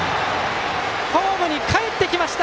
ホームにかえってきました！